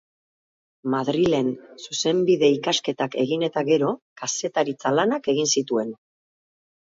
Madrilen zuzenbide ikasketak egin eta gero kazetaritza-lanak egin zituen.